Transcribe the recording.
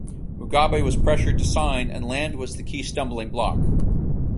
Mugabe was pressured to sign and land was the key stumbling block.